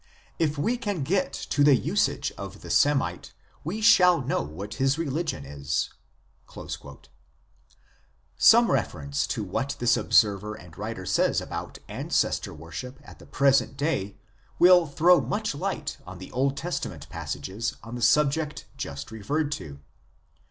If we can get to the usage of the Semite we shall know what his religion is." 1 Some reference to what this observer and writer says about Ancestor worship at the present day will throw much light on the Old Testament passages on the subject just referred to.